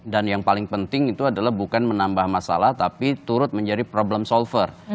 dan yang paling penting itu adalah bukan menambah masalah tapi turut menjadi problem solver